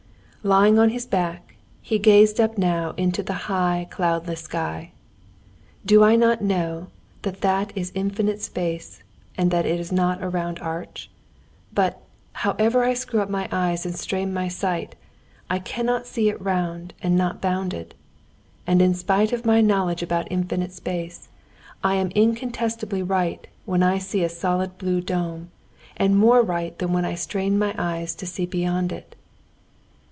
Lying on his back, he gazed up now into the high, cloudless sky. "Do I not know that that is infinite space, and that it is not a round arch? But, however I screw up my eyes and strain my sight, I cannot see it not round and not bounded, and in spite of my knowing about infinite space, I am incontestably right when I see a solid blue dome, and more right than when I strain my eyes to see beyond it."